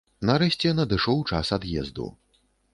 Нарэшце надышоў час ад'езду.